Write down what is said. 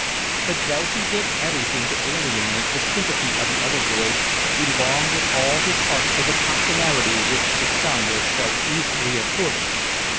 But though he did everything to alienate the sympathy of other boys he longed with all his heart for the popularity which to some was so easily accorded.